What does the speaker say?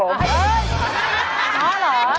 เอ้ยง้อเหรอ